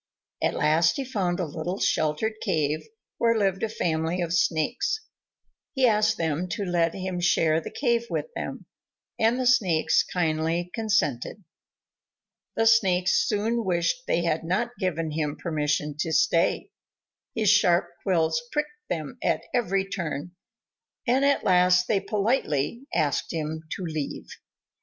At last he found a little sheltered cave, where lived a family of Snakes. He asked them to let him share the cave with them, and the Snakes kindly consented. The Snakes soon wished they had not given him permission to stay. His sharp quills pricked them at every turn, and at last they politely asked him to leave.